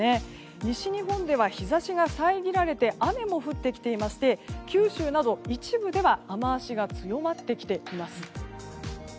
西日本では日差しが遮られて雨も降ってきていまして九州など一部では雨脚が強まってきています。